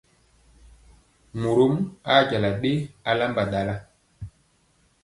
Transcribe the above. Morom a je ɗe alamba ɗala.